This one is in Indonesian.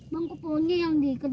bang kupunya yang diikuti